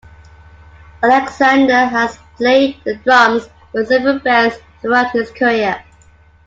Alexander has played the drums for several bands throughout his career.